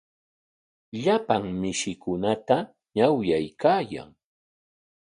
Llapan mishikunata ñawyaykaayan.